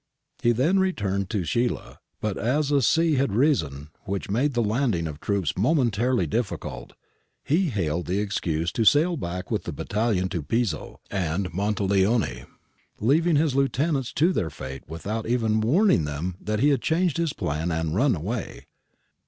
He then returned to Scilla, but as a sea had arisen which made the landing of troops momentarily difficult, he hailed the excuse to sail back with the battalion to Pizzo and Monteleone, leaving his lieutenants to their fate without even warning them that he had changed his plan and run away.